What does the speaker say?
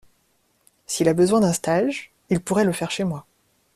S’il a besoin d’un stage, il pourrait le faire chez moi.